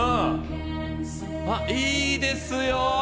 あ、いいですよ！